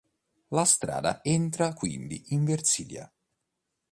La strada entra quindi in Versilia.